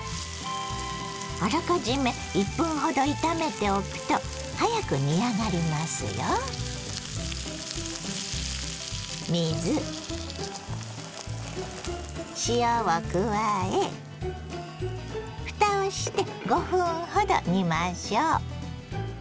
あらかじめ１分ほど炒めておくと早く煮上がりますよ。を加えふたをして５分ほど煮ましょう。